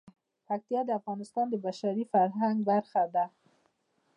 پکتیا د افغانستان د بشري فرهنګ برخه ده.